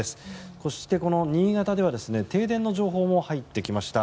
そして、この新潟では停電の情報も入ってきました。